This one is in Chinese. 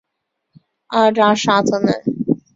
阿扎沙特内。